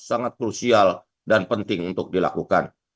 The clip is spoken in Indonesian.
sangat krusial dan penting untuk dilakukan